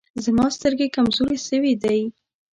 زما سترګي کمزوري سوي دی.